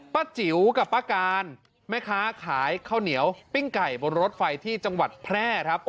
จิ๋วกับป้าการแม่ค้าขายข้าวเหนียวปิ้งไก่บนรถไฟที่จังหวัดแพร่ครับ